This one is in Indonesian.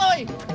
mabak tau in